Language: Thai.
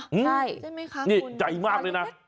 ใช่ใช่ไหมคะนี่ใหญ่มากเลยนะ